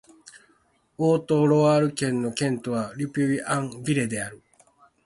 オート＝ロワール県の県都はル・ピュイ＝アン＝ヴレである